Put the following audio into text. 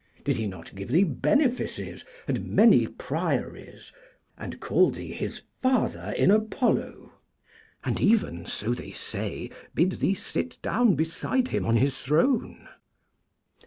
Did he not give thee benefices, and many priories, and call thee his father in Apollo, and even, so they say, bid thee sit down beside him on his throne?